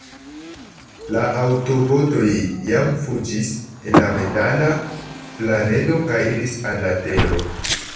La aŭtobotoj jam fuĝis el la metala planedo kaj iris al Tero.